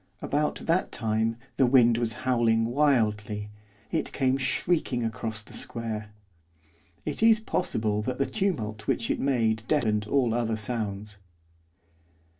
About that time the wind was howling wildly, it came shrieking across the square. It is possible that the tumult which it made deadened all other sounds.